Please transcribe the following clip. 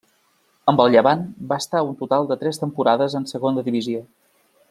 Amb el Llevant va estar un total de tres temporades en Segona Divisió.